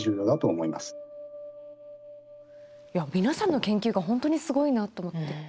皆さんの研究が本当にすごいなと思って。